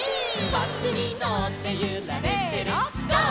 「バスにのってゆられてるゴー！